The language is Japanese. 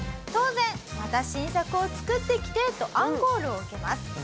当然「また新作を作ってきて」とアンコールを受けます。